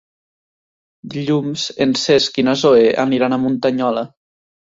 Dilluns en Cesc i na Zoè aniran a Muntanyola.